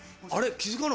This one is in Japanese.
気付かな。